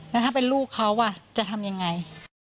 แล้วถ้าเป็นลูกเขาจะทำยังไง